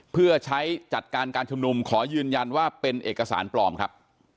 เพื่อใช้จัดการการชุมนุมขอยืนยันว่าเป็นเอกสารปลอมครับ